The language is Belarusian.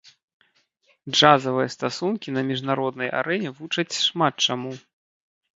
Джазавыя стасункі на міжнароднай арэне вучаць шмат чаму.